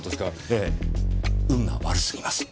ええ運が悪すぎます。